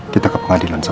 kita ke pengadilan dulu ya